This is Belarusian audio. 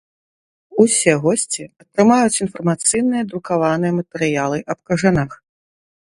Усе госці атрымаюць інфармацыйныя друкаваныя матэрыялы аб кажанах.